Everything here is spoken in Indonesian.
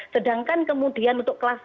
sedangkan kemudian untuk kelas